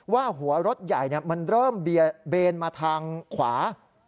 ว่าหัวรถใหญ่มันเริ่มเบนมาทางขวา